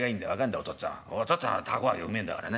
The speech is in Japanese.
お父っつぁんは凧揚げうめえんだからな。